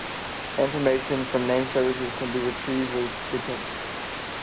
Information from name services can be retrieved with getent.